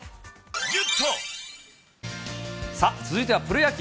続いてはプロ野球。